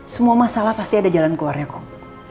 semua masalah pasti ada jalan keluarnya kok